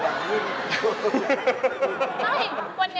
พออยากชอบหลังนี้